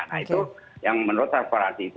nah itu yang menurut transparansi itu